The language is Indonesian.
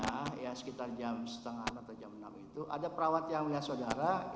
ya sekitar jam setengah atau jam enam itu ada perawat yang melihat saudara